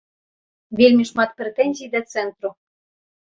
Вельмі шмат прэтэнзій да цэнтру.